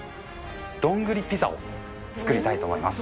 ドングリピザを作りたいと思います。